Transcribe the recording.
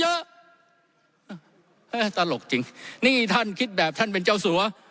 ตลกจริงนี่ท่านคิดแบบท่านเป็นเจ้าสัว